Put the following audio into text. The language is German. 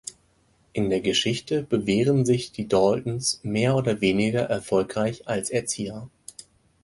In der Geschichte bewähren sich die Daltons mehr oder weniger erfolgreich als Erzieher.